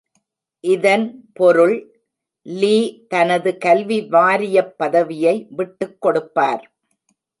இதன் பொருள் லீ தனது கல்வி வாரியப் பதவியை விட்டுக்கொடுப்பார்.